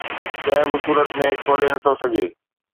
ڪنهن به صورت ۾ کولي نه ٿو سگهي